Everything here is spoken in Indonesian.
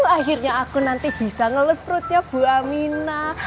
akhirnya aku nanti bisa ngeles perutnya bu aminah